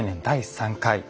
第３回。